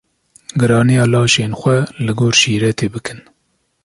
giraniya laşên xwe li gor şîretê bikin.